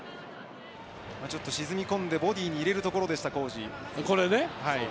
沈み込んでボディーに入れるところでした、皇治。